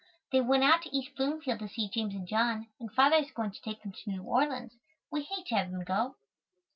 They went out to East Bloomfield to see James and John, and father is going to take them to New Orleans. We hate to have them go.